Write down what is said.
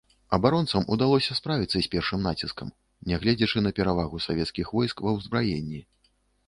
Абаронцам удалося справіцца з першым націскам, нягледзячы на перавагу савецкіх войск ва ўзбраенні.